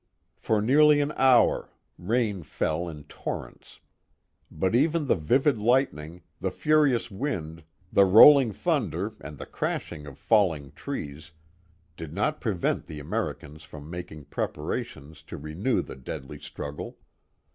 For nearly an hour rain fell in torrents; but even the vivid lightning, the furious wind, the rolling thunder, and the crashing of falling trees, did not pre vent the Americans from making preparations to renew the Oriskany 425 deadly struggle.